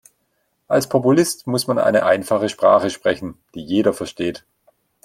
Als Populist muss man eine einfache Sprache sprechen, die jeder versteht.